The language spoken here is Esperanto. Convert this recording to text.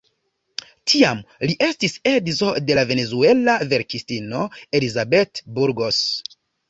Tiam li estis edzo de la venezuela verkistino Elizabeth Burgos.